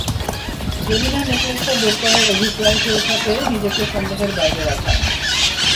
যদি না নেকলেসটা বের করার অভিপ্রায় হয়ে থাকে নিজেকে সন্দেহের বাইরে রাখা।